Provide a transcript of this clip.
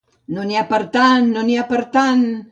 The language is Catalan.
No n'hi ha per tant, no n'hi ha per tant!